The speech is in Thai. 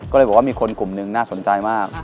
ก็เลยบอกว่ามีคนกลุ่มหนึ่งน่าสนใจมาก